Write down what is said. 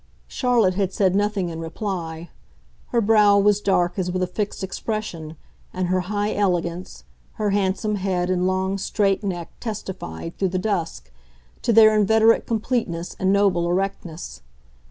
Charlotte had said nothing in reply; her brow was dark as with a fixed expression, and her high elegance, her handsome head and long, straight neck testified, through the dusk, to their inveterate completeness and noble erectness.